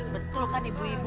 betul kan ibu ibu